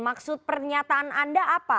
maksud pernyataan anda apa